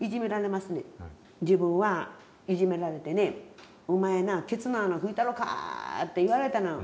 自分はいじめられてね「お前なケツの穴拭いたろか」って言われたの。